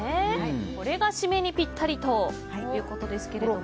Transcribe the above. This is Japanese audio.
これがシメにぴったりということですけども。